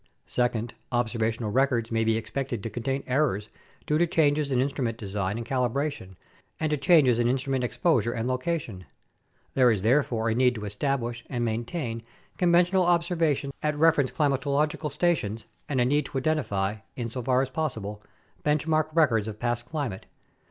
Second, observational records may be expected to contain errors due to changes in instrument design and calibration and to changes in instrument exposure and location. There is therefore a need to establish and maintain conventional observations at reference climatological stations and a need to identify, insofar as possible, "benchmark" records of past climate.